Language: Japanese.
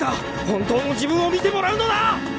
本当の自分を見てもらうのだ！